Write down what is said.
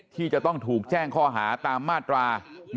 ที่จะต้องถูกแจ้งข้อหาตามมาตรา๑๑